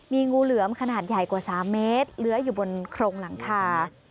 มีงูเหลือมขนาดใหญ่กว่า๓เมตรเลื้อยอยู่บนโครงหลังคา